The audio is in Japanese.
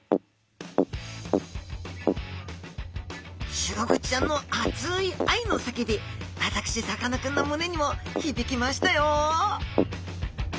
シログチちゃんの熱い愛の叫び私さかなクンの胸にも響きましたよ